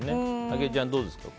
あきえちゃん、どうですか？